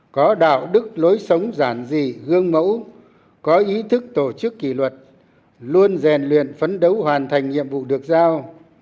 có đạo đức lối sống giản dị gương mẫu có ý thức tổ chức kỷ luật luôn rèn luyện phấn đấu hoàn thành nhiệm vụ được giao